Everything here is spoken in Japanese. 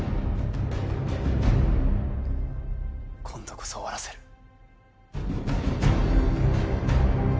今度こそ終わらせる